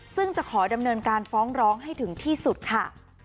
ซึ่งจะขอดำเนินการฟ้องร้องให้ถึงที่สุดค่ะ